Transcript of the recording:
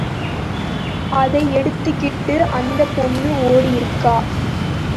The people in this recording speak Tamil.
அதை எடுத்துகிட்டு அந்தப் பொண்ணு ஓடியிருக்கா!